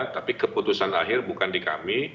tapi keputusan akhir bukan di kami